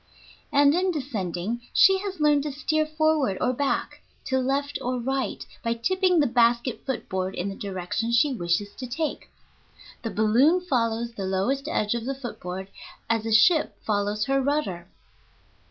And in descending she has learned to steer forward or back, to left or right, by tipping the basket foot board in the direction she wishes to take. The balloon follows the lowest edge of the foot board as a ship follows her rudder.